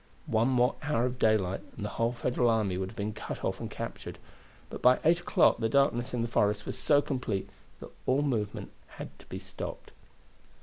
One more hour of daylight and the whole Federal army would have been cut off and captured, but by eight o'clock the darkness in the forest was so complete that all movement had to be stopped.